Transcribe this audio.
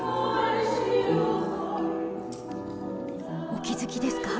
［お気付きですか？